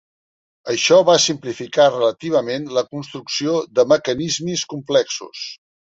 Això va simplificar relativament la construcció de mecanismes complexos.